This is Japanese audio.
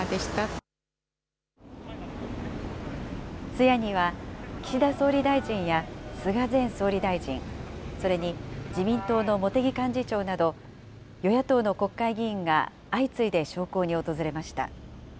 通夜には、岸田総理大臣や菅前総理大臣、それに自民党の茂木幹事長など、与野党の国会議員が相次いで焼香に訪れました。